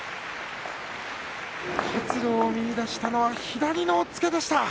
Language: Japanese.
活路を見いだしたのは左の押っつけでした。